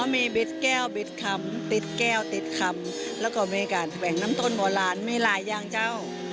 มีเบ็ดแก้วเบ็ดคำติดแก้วติดคำแล้วก็มีการแบ่งน้ำต้นโบราณมีหลายอย่างเจ้า